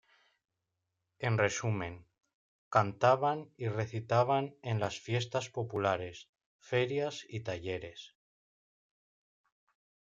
En resumen, cantaban y recitaban en las fiestas populares, ferias y talleres.